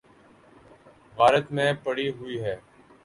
غارت میں پڑی ہوئی ہے۔